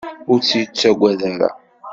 Ur tt-yettagad ara.